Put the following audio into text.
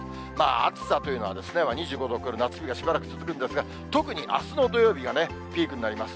暑さというのは２５度を超える夏日がしばらく続くんですが、特にあすの土曜日がね、ピークになります。